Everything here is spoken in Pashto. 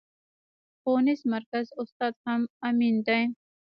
ښوونيز مرکز استاد هم امين دی.